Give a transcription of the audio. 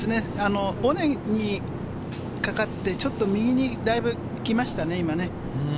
尾根にかかって、ちょっと右にだいぶきましたね。